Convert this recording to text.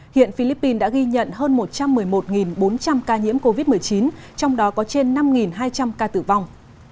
hiện philippines đã ghi nhận hơn một trăm một mươi một bốn trăm linh ca nhiễm covid một mươi chín trong đó có trên năm hai trăm linh ca tử vong